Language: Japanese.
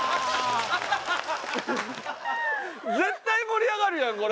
絶対盛り上がるやんこれ。